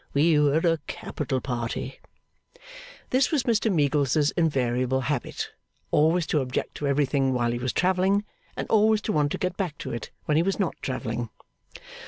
We were a capital party.' This was Mr Meagles's invariable habit. Always to object to everything while he was travelling, and always to want to get back to it when he was not travelling.